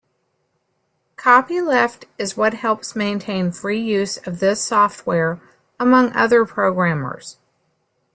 Copyleft is what helps maintain free use of this software among other programmers.